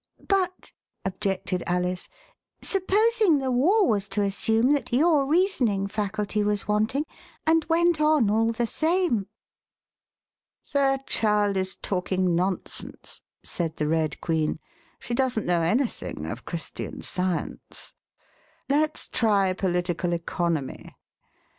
But," objected Alice, supposing the war was to assume that your reasoning faculty was wanting, and went on all the same ?" The child is talking nonsense," said the Red Queen; '*she doesn't know anything of Christian Science. Let's try Political Economy.